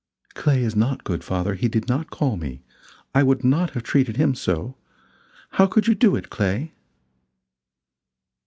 "Clay is not good, father he did not call me. I would not have treated him so. How could you do it, Clay?"